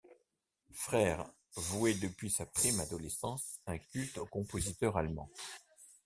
Freire vouait depuis sa prime adolescence un culte au compositeur allemand.